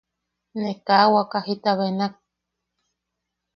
Ne kaa waka jita benak.